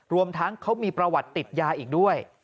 รวมทั้งเขามีประวัติติดยาอีกด้วย